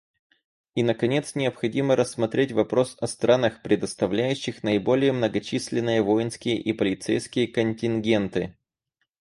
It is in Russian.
И, наконец, необходимо рассмотреть вопрос о странах, предоставляющих наиболее многочисленные воинские и полицейские контингенты.